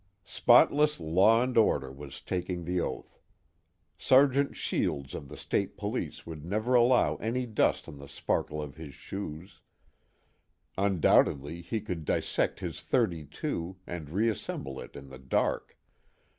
_ Spotless law and order was taking the oath. Sergeant Shields of the State Police would never allow any dust on the sparkle of his shoes; undoubtedly he could dissect his .32 and reassemble it in the dark.